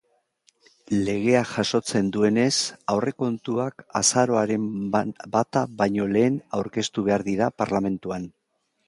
Legeak jasotzen duenez, aurrekontuak azaroaren bata baino lehen aurkeztu behar dira parlamentuan.